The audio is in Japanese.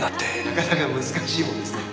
なかなか難しいもんですね。